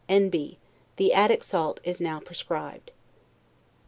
N. B. The Attic salt is proscribed.